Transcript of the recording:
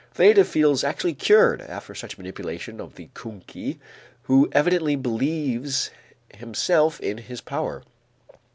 The native feels actually cured after such manipulation of the koonkie, who evidently believes himself in his power.